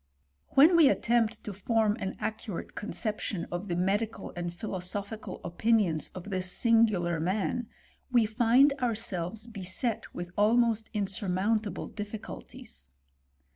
When we attempt to form an accurate conception of the medical and philosophical opinions of this singular man, we find ourselves beset with almost insurmount able difficulties.